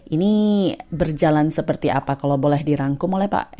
ini berjalan seperti apa kalau boleh dirangkum oleh pak